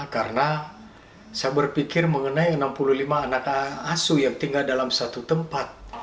karena saya berpikir mengenai enam puluh lima anak asuh yang tinggal dalam satu tempat